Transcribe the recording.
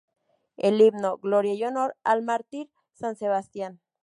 El himno: "Gloria y honor al mártir San Sebastián...".